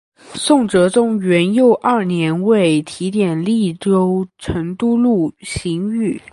宋哲宗元佑二年为提点利州成都路刑狱。